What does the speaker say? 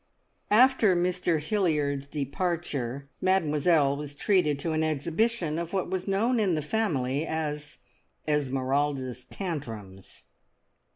After Mr Hilliard's departure, Mademoiselle was treated to an exhibition of what was known in the family as "Esmeralda's tantrums."